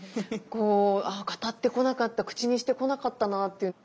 こう語ってこなかった口にしてこなかったなあって。